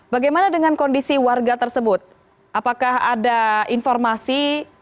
bagaimana dengan kondisi warga tersebut apakah ada informasi